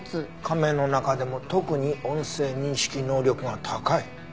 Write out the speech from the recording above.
「亀の中でも特に音声認識能力が高い」。